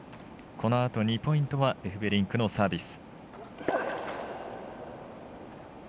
このあと２ポイントはエフベリンクのサービス。